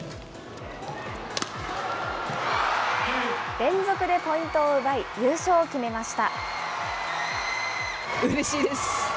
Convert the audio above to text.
連続でポイントを奪い、優勝を決めました。